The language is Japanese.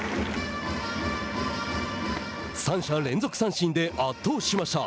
３者連続三振で圧倒しました。